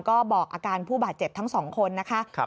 ก็บอกอาการผู้บาดเจ็บทั้งสองคนนะคะ